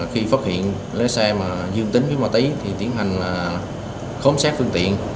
khi phát hiện lấy xe mà dương tính với ma túy thì tiến hành khóm xét phương tiện